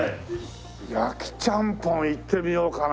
焼ちゃんぽんいってみようかな